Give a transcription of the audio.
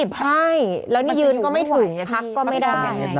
ใช่แล้วนี่ยืนก็ไม่ถึงพักก็ไม่ได้